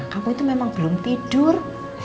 kamu itu memang belum tidur